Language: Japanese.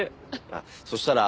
あっそしたら。